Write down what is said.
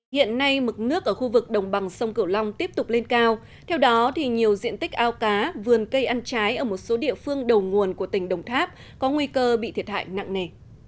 hiện nay mực nước ở khu vực đồng bằng sông cửu long tiếp tục lên cao theo đó thì nhiều diện tích ao cá vườn cây ăn trái ở một số địa phương đầu nguồn của tỉnh đồng tháp có nguy cơ bị thiệt hại nặng nề